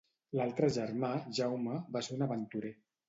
L'altre germà, Jaume, va ser un aventurer.